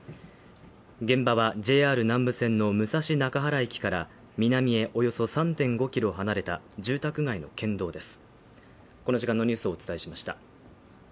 現場はＪＲ南武線の武蔵中原駅から、南へおよそ３．５ｋｍ離れた住宅街の県道です。